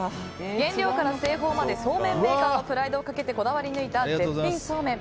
原料から製法までそうめんメーカーのプライドをかけてこだわり抜いた絶品そうめん。